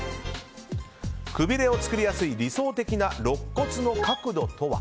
くびれを作りやすい理想的なろっ骨の角度とは。